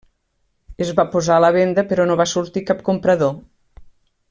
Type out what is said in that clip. Es va posar a la venda però no va sortir cap comprador.